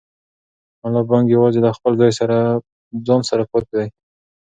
ملا بانګ یوازې له خپل ځان سره پاتې دی.